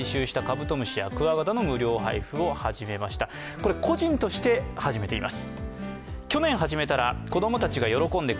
これ、個人として始めています。